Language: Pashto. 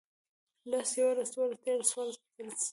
لس، يوولس، دوولس، ديارلس، څوارلس، پينځلس